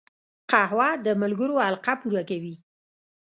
قهوه د ملګرو حلقه پوره کوي